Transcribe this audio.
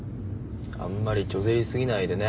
あんまりチョゼり過ぎないでね。